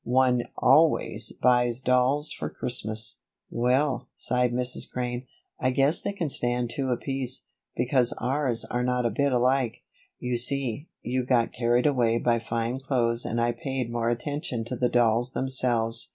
"One always buys dolls for Christmas." "Well," sighed Mrs. Crane, "I guess they can stand two apiece, because ours are not a bit alike. You see, you got carried away by fine clothes and I paid more attention to the dolls themselves.